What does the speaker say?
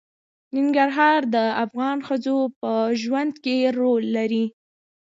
ننګرهار د افغان ښځو په ژوند کې رول لري.